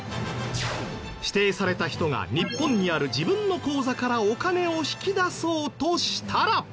指定された人が日本にある自分の口座からお金を引き出そうとしたら。